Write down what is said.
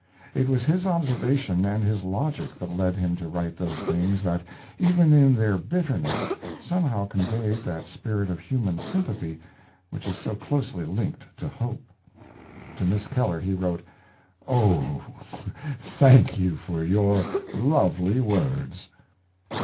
It was his observation and his logic that led him to write those things that, even in their bitterness, somehow conveyed that spirit of human sympathy which is so closely linked to hope. To Miss Keller he wrote: "Oh, thank you for your lovely words!"